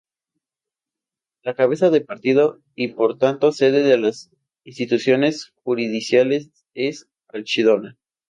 La cabeza de partido y por tanto sede de las instituciones judiciales es Archidona.